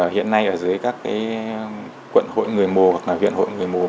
hiện nay ở dưới các quận hội người mù hoặc là huyện hội người mù